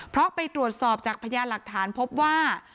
เพราะไปตรวจสอบจากพยานหลักฐานพบว่า